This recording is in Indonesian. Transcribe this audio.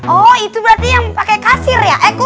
oh itu berarti yang pakai kusir ya